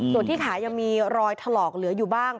ส่วนที่ขายังมีรอยถลอกเหลืออยู่บ้าง